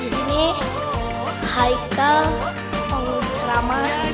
di sini haikal mengucrama tentang